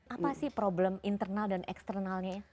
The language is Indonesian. apa sih problem internal dan eksternalnya ya